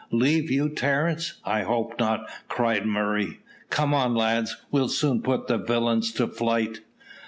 "Leave you, Terence? I hope not," cried Murray. "Come on, lads; we'll soon put the villains to flight."